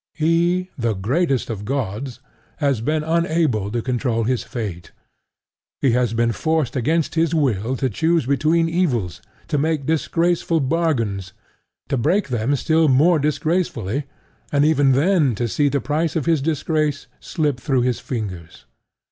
He, the greatest of gods, has been unable to control his fate: he has been forced against his will to choose between evils, to make disgraceful bargains, to break them still more disgracefully, and even then to see the price of his disgrace slip through his fingers.